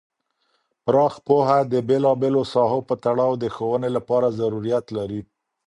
پراخ پوهه د بیلا بیلو ساحو په تړاو د ښوونې لپاره ضروریت لري.